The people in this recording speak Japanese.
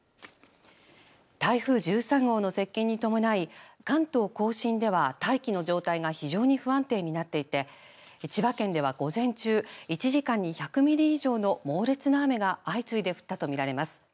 台風１３号の接近に伴い関東甲信では大気の状態が非常に不安定になっていて千葉県では午前中１時間に１００ミリ以上の猛烈な雨が相次いで降ったと見られます。